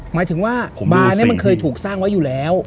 หมายถึงว่าบาร์นี้มันเคยถูกสร้างไว้อยู่แล้ว